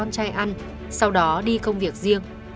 ông bưu đem con trai ăn sau đó đi công việc riêng